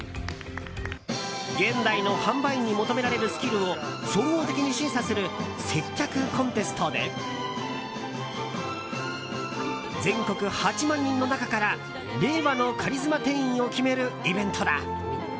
現代の販売員に求められるスキルを総合的に審査する接客コンテストで全国８万人の中から令和のカリスマ店員を決めるイベントだ。